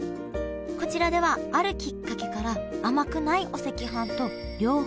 こちらではあるきっかけから甘くないお赤飯と両方出すようになったんだ